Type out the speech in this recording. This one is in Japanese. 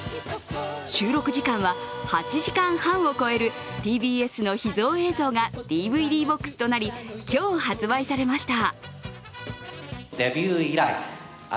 収録時間は８時間半を超えるＴＢＳの秘蔵映像がＤＶＤボックスとなり今日、発売されました。